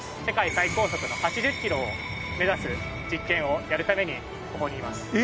世界最高速の８０キロを目指す実験をやるためにここにいます。